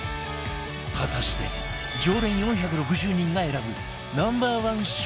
果たして常連４６０人が選ぶ Ｎｏ．１ 商品とは？